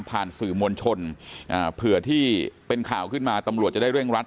สื่อมวลชนเผื่อที่เป็นข่าวขึ้นมาตำรวจจะได้เร่งรัด